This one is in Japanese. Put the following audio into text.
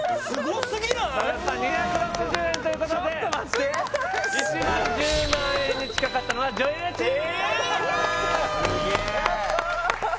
その差２６０円ということでちょっと待って一番１０万円に近かったのは女優チーム！